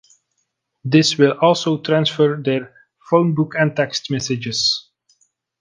This will also transfer their phone book and text messages.